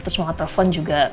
terus mau ngetelpon juga